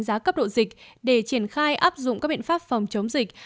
giá cấp độ dịch để triển khai áp dụng các biện pháp phòng chống dịch